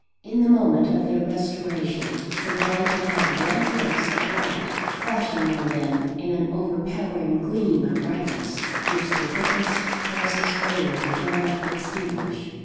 In the moment of their restoration, the blind have had one glimpse of light, flashing on them in an overpowering gleam of brightness, which the thickest, closest veiling cannot extinguish.